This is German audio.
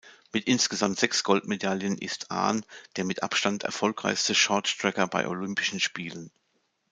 Mit insgesamt sechs Goldmedaillen ist Ahn der mit Abstand erfolgreichste Shorttracker bei Olympischen Spielen.